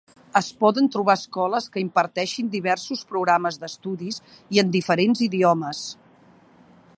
Es poden trobar escoles que imparteixen diversos programes d'estudis i en diferents idiomes.